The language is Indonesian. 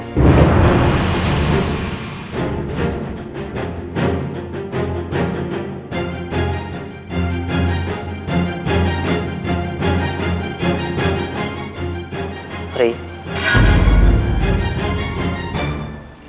kamu kok ada di bandara